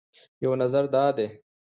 یو نظر دا دی